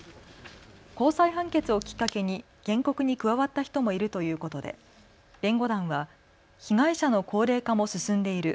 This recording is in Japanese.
高裁判決をきっかけに原告に加わった人もいるということで弁護団は被害者の高齢化も進んでいる。